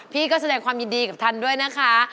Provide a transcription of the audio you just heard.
พี่ก็แสดงความยินดีกับท่านด้วยนะคะ